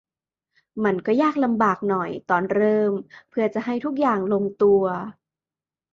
มันก็ยากลำบากหน่อยตอนเริ่มเพื่อจะให้ทุกอย่างลงตัว